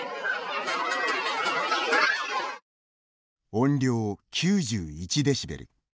音量９１デシベル。